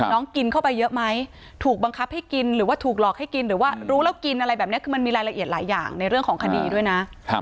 น้องกินเข้าไปเยอะไหมถูกบังคับให้กินหรือว่าถูกหลอกให้กินหรือว่ารู้แล้วกินอะไรแบบนี้คือมันมีรายละเอียดหลายอย่างในเรื่องของคดีด้วยนะ